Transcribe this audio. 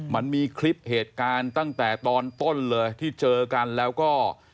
มันมีคลิปเหตุการณ์ตั้งแต่ตอนต้นเลยที่เจอกันแล้วก็